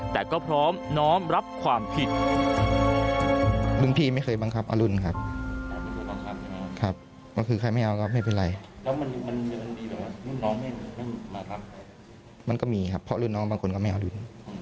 แต่ก็พร้อมน้อมรับความผิด